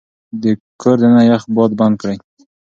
د کور دننه يخ باد بند کړئ.